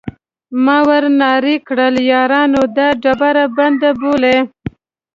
ما ور نارې کړل: یارانو دا ډبره بنده بولئ.